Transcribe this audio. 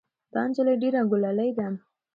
دا نجلۍ ډېره ګلالۍ ده.